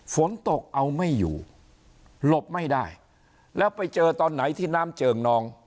ฝนตกเอาไม่อยู่หลบไม่ได้แล้วไปเจอตอนไหนที่น้ำเจิงนอง